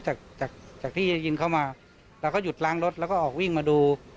จากจากที่ได้ยินเข้ามาเราก็หยุดล้างรถแล้วก็ออกวิ่งมาดู